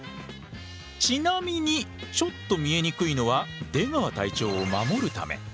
ちなみにちょっと見えにくいのは出川隊長を守るため。